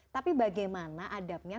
tapi bagaimana ada menurutmu